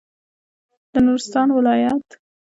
د نورستان ولایت زیاتره برخه غرونو نیولې ده.